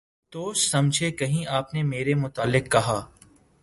دوست سمجھے کہیں آپ نے میرے متعلق کہا